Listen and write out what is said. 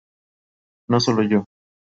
No solo yo.